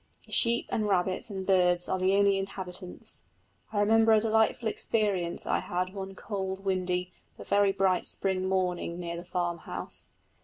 The sheep and rabbits and birds are the only inhabitants. I remember a delightful experience I had one cold windy but very bright spring morning near the farmhouse.